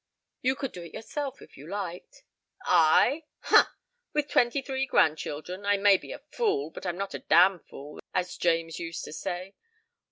You could do it yourself if you liked." "I? Ha! With twenty three grandchildren. I may be a fool but I'm not a damn fool, as James used to say.